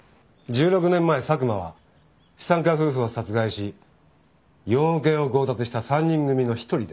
１６年前佐久間は資産家夫婦を殺害し４億円を強奪した３人組の１人です。